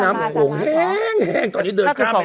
น้ำถู้ห้องแห้ง